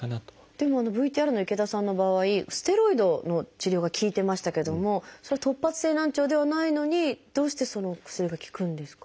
でもＶＴＲの池田さんの場合ステロイドの治療が効いてましたけども突発性難聴ではないのにどうしてその薬が効くんですか？